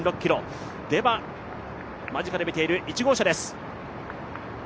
では、間近で見ている１号車です。